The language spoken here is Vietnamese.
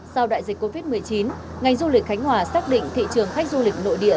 sau đại dịch covid một mươi chín ngành du lịch khánh hòa xác định thị trường khách du lịch nội địa